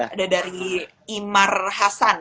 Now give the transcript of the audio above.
ada dari imar hasan